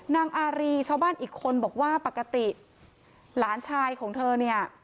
นางอารีชาวบ้านอีกคนบอกว่าปกติหลานชายของเธอเนี่ย